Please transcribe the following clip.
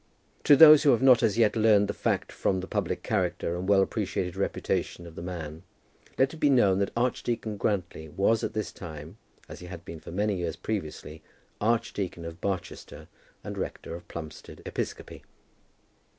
To those who have not as yet learned the fact from the public character and well appreciated reputation of the man, let it be known that Archdeacon Grantly was at this time, as he had been for many years previously, Archdeacon of Barchester and Rector of Plumstead Episcopi.